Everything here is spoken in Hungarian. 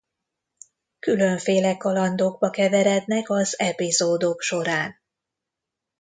Különféle kalandokba keverednek az epizódok során.